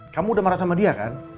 kamu udah marah sama dia kan